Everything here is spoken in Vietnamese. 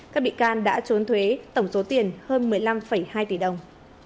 các bị can đã trốn thuế tổng số tiền hơn một mươi năm hai tỷ đồng